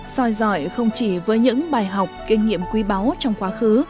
soi dọi không chỉ với những bài học kinh nghiệm quý báu trong quá khứ